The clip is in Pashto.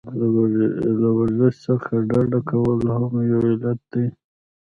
له ورزش څخه ډډه کول هم یو علت دی.